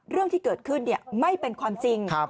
เรื่องที่เกิดขึ้นไม่เป็นความจริง